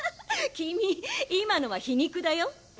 君今のは皮肉だよ。